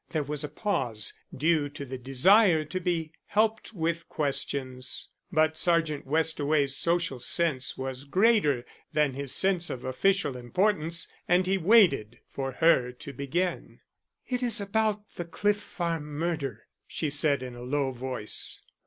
There was a pause, due to the desire to be helped with questions, but Sergeant Westaway's social sense was greater than his sense of official importance, and he waited for her to begin. "It is about the Cliff Farm murder," she said in a low voice.